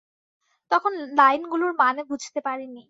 তখন লাইনগুলোর মানে বুঝতে পারি নি।